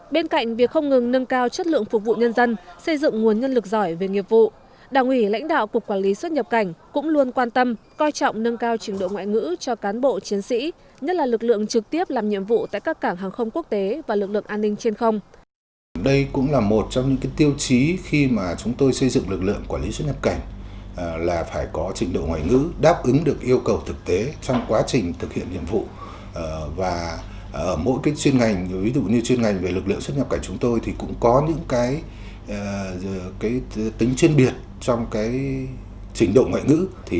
bên cạnh việc không ngừng nâng cao chất lượng phục vụ nhân dân xây dựng nguồn nhân lực giỏi về nghiệp vụ đảng ủy lãnh đạo cục quản lý xuất nhập cảnh cũng luôn quan tâm coi trọng nâng cao trình độ ngoại ngữ cho cán bộ chiến sĩ nhất là lực lượng trực tiếp làm nhiệm vụ tại các cảng hàng không quốc tế và lực lượng an ninh trên không